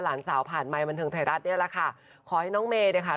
หลานสาวผ่านไมค์บันเทิงไทยรัฐเนี่ยแหละค่ะขอให้น้องเมย์เนี่ยค่ะ